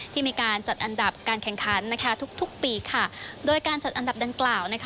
ที่จัดอันดับการแข่งคันทุกปีด้วยการจัดอันดับดังกล่าว